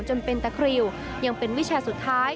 จนเป็นตะคริวยังเป็นวิชาสุดท้าย